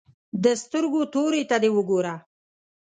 د سترګو تورې ته دې وګوره.